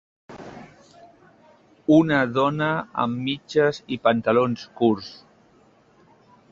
Una dona amb mitges i pantalons curts.